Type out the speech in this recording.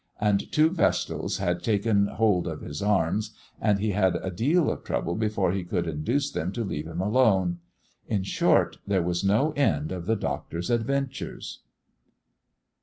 And two vestals had taken hold of his arms, and he had a deal of trouble before he could induce them to leave him alone. In short, there was no end of the Doctor's adventures.